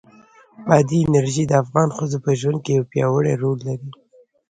بادي انرژي د افغان ښځو په ژوند کې یو پیاوړی رول لري.